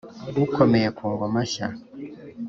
ukomeye ku ngoma nshya.